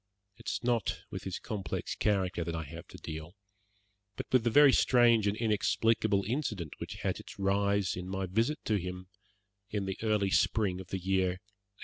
It is not with his complex character that I have to deal, but with the very strange and inexplicable incident which had its rise in my visit to him in the early spring of the year '82.